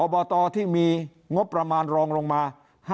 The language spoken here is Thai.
บตที่มีงบประมาณรองลงมา